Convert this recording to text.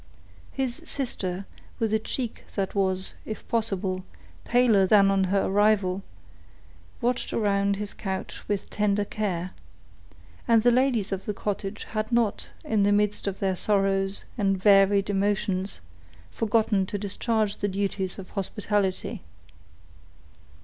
His sister, with a cheek that was, if possible, paler than on her arrival, watched around his couch with tender care; and the ladies of the cottage had not, in the midst of their sorrows and varied emotions, forgotten to discharge the duties of hospitality.